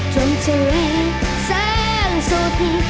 จนถึงเสียงสุดที่ไทย